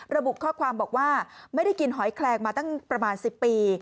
ระบุข้อความบอกว่าไม่ได้กินหอยแคลงมาตั้งประมาณ๑๐ปี